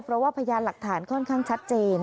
เพราะว่าพยานหลักฐานค่อนข้างชัดเจน